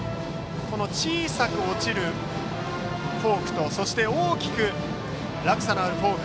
小さく落ちるフォークとそして大きく落差のあるフォーク。